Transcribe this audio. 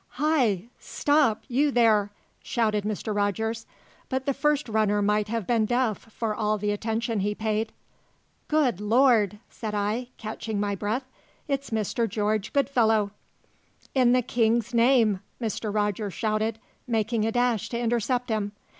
"Hi! Stop, you there!" shouted Mr. Rogers; but the first runner might have been deaf, for all the attention he paid. "Good Lord!" said I, catching my breath; "it's Mr. George Goodfellow!" "In the King's name!" Mr. Rogers shouted, making a dash to intercept him.